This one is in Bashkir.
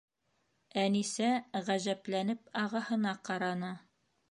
Әнисә, ғәжәпләнеп, ағаһына ҡараны.